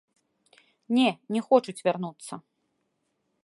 Не, не хочуць вярнуцца.